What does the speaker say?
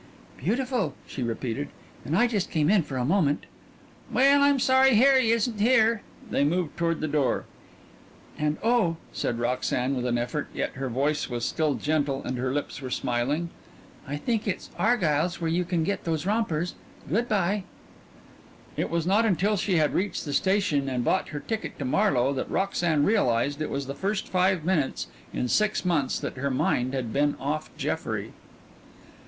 "Beautiful," she repeated, "and I just came in for a moment." "Well, I'm sorry Harry isn't here." They moved toward the door. " and, oh," said Roxanne with an effort yet her voice was still gentle and her lips were smiling "I think it's Argile's where you can get those rompers. Good by." It was not until she had reached the station and bought her ticket to Marlowe that Roxanne realized it was the first five minutes in six months that her mind had been off Jeffrey.